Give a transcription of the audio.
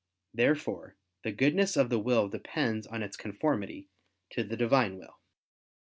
Therefore the goodness of the will depends on its conformity to the Divine will.